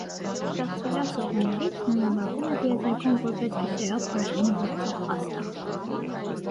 Ստեղծվելով սողուններից՝ նա նավարկում է տիեզերքում որպես գիշերով արևին ուղեկցող աստղ։